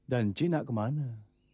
dan cik nak ke mana